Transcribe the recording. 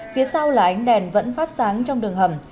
phía sau là ánh đèn vẫn phát sáng trong đường hầm